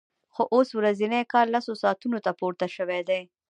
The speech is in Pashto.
خو اوس ورځنی کار لسو ساعتونو ته پورته شوی دی